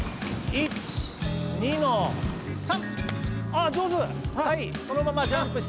１２の３！